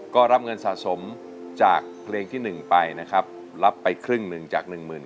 ก็รับเงินสะสมจากเพลงที่๑ไปนะครับรับไปครึ่งหนึ่งจากหนึ่งหมื่น